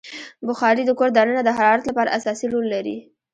بخاري د کور دننه د حرارت لپاره اساسي رول لري.